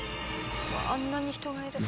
「あんなに人がいる」